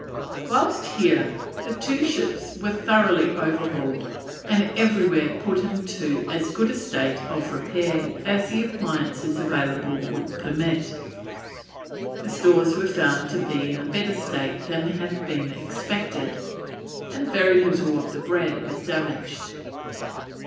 Whilst here, the two ships were thoroughly overhauled and everywhere put into as good a state of repair as the appliances available would permit. The stores were found to be in a better state than had been expected, and very little of the bread was damaged.